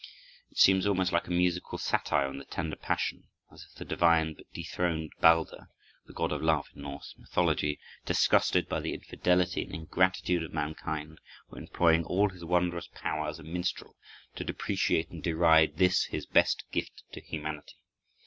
It seems almost like a musical satire on the tender passion; as if the divine but dethroned Balder (the God of Love in Norse mythology), disgusted by the infidelity and ingratitude of mankind, were employing all his wondrous power as a minstrel to depreciate and deride this his best gift to humanity.